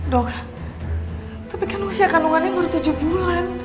dok tapi kan usia kandungannya umur tujuh bulan